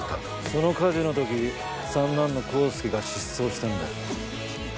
その火事の時三男の黄介が失踪したんだよ。